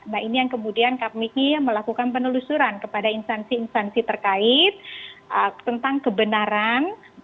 nah ini yang kemudian kami melakukan penelusuran kepada instansi instansi terkait tentang kebenaran